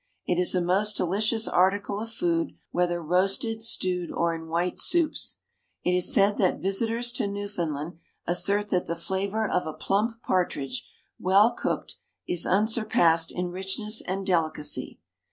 It is a most delicious article of food, whether roasted, stewed, or in white soups. It is said that visitors to Newfoundland assert that the flavor of a plump partridge, well cooked, is unsurpassed in richness and delicacy.